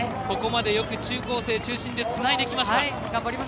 ここまでよく中高生中心でつないできました。